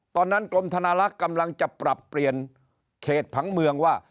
ตอนนั้นกรมธนาลักษณ์กำลังจะปรับเปลี่ยนเขตผังเมืองว่า